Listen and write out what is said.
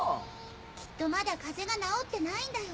きっとまだ風邪が治ってないんだよ。